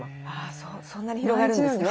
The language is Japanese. そんなに広がるんですね。